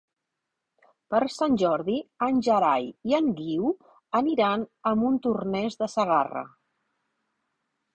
Per Sant Jordi en Gerai i en Guiu aniran a Montornès de Segarra.